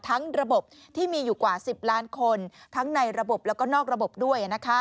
ระบบที่มีอยู่กว่า๑๐ล้านคนทั้งในระบบแล้วก็นอกระบบด้วย